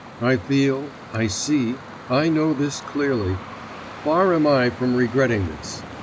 I feel, I see, I know this clearly ... far am I from regretting this.